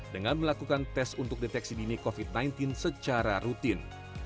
dengan melakukan tes untuk deteksi dini covid sembilan belas secara rutin